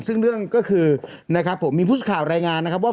ซึ่งเรื่องก็คือนะครับผมมีผู้สื่อข่าวรายงานนะครับว่า